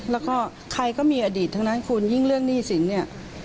แล้วก็ใครก็มีอดีตทั้งนั้นคุณยิ่งเรื่องหนี้สินเนี่ย